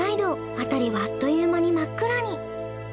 あたりはあっという間に真っ暗に。